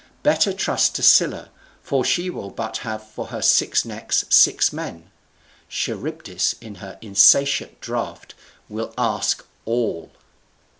Better trust to Scylla, for she will but have for her six necks six men: Charybdis in her insatiate draught will ask all."